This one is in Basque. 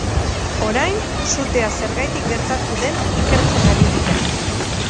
Orain, sutea zergatik gertatu den ikertzen ari dira.